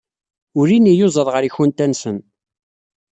Ulin yiyuzaḍ ɣer ikunta-nsen.